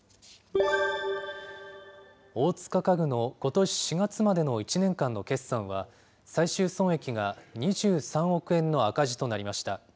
大塚家具のことし４月までの１年間の決算は、最終損益が２３億円の赤字となりました。